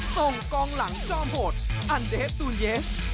ตรงกองหลังจ้อมโหดอันเดฮป์ตูนเยส